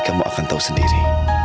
kamu akan tahu sendiri